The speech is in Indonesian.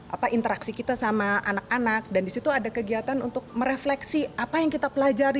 apa interaksi kita sama anak anak dan disitu ada kegiatan untuk merefleksi apa yang kita pelajari